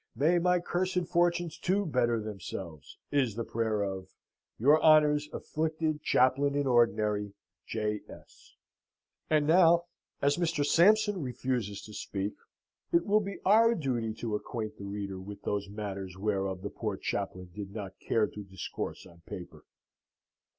May my cursed fortunes, too, better themselves, is the prayer of "Your honour's afflicted Chaplain in Ordinary, J. S." And now, as Mr. Sampson refuses to speak, it will be our duty to acquaint the reader with those matters whereof the poor chaplain did not care to discourse on paper.